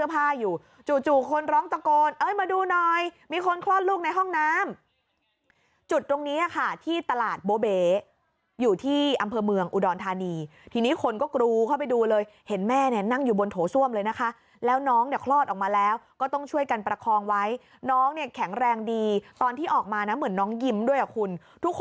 ผ้าอยู่จู่คนร้องตะโกนเอ้ยมาดูหน่อยมีคนคลอดลูกในห้องน้ำจุดตรงนี้ค่ะที่ตลาดโบเบอยู่ที่อำเภอเมืองอุดรธานีทีนี้คนก็กรูเข้าไปดูเลยเห็นแม่เนี่ยนั่งอยู่บนโถส้วมเลยนะคะแล้วน้องเนี่ยคลอดออกมาแล้วก็ต้องช่วยกันประคองไว้น้องเนี่ยแข็งแรงดีตอนที่ออกมานะเหมือนน้องยิ้มด้วยอ่ะคุณทุกคน